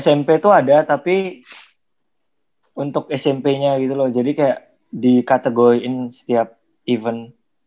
smp itu ada tapi untuk smp nya gitu loh jadi kayak dikategoin setiap event